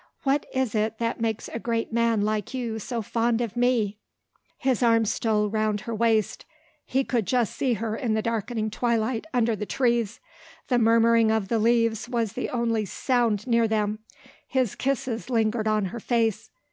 What is it that makes a great man like you so fond of me?" His arm stole round her waist. He could just see her in the darkening twilight under the trees; the murmuring of the leaves was the only sound near them his kisses lingered on her face.